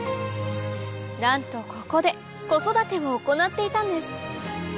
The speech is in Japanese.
なんとここで子育てを行っていたんです